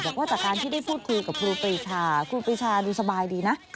บอกว่าจากการที่ได้พูดคุยกับครูปรีชาครูปรีชาดูสบายดีนะ